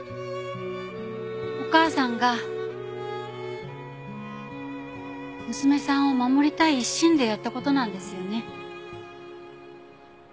お母さんが娘さんを守りたい一心でやった事なんですよね。